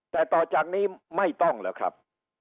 แต่ต่อจากนี้ไม่ต้องแล้วครับ